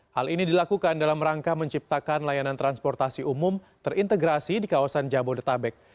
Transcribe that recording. hal ini dilakukan dalam rangka menciptakan layanan transportasi umum terintegrasi di kawasan jabodetabek